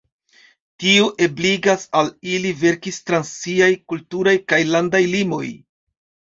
Tio ebligas al ili verkis trans siaj kulturaj kaj landaj limoj.